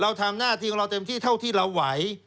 เราทำหน้าที่ของเราเต็มที่เท่าที่เราไหว